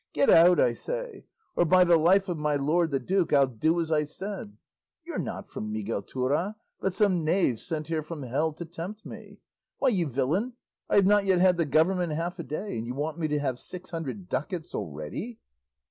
Get out I say, or by the life of my lord the duke I'll do as I said. You're not from Miguelturra, but some knave sent here from hell to tempt me. Why, you villain, I have not yet had the government half a day, and you want me to have six hundred ducats already!"